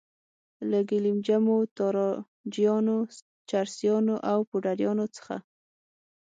له ګیلم جمو، تاراجیانو، چرسیانو او پوډریانو څخه.